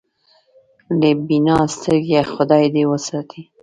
له بینا سترګېه خدای دې وساتي.